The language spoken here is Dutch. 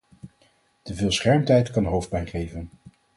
Te veel schermtijd kan hoofdpijn geven